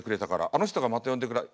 「あの人がまた呼んでくれた」